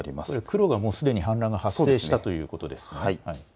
黒がもうすでに氾濫が発生したということですね。